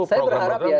saya berharap ya